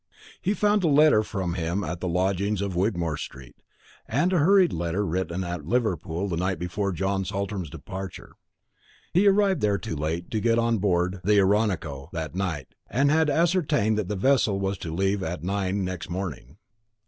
He found a letter from him at the lodgings in Wigmore street; a hurried letter written at Liverpool the night before John Saltram's departure. He had arrived there too late to get on board the Oronoco that night, and had ascertained that the vessel was to leave at nine next morning.